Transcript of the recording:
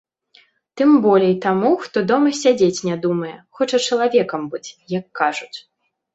Тым болей таму, хто дома сядзець не думае, хоча чалавекам быць, як кажуць.